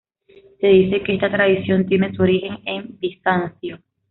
Se dice que esta tradición tiene su origen en Bizancio.